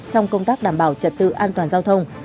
trong công tác đảm bảo trật tự an toàn giao thông